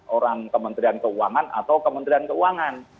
orang kementerian keuangan atau kementerian keuangan